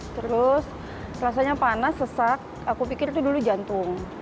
terus rasanya panas sesak aku pikir itu dulu jantung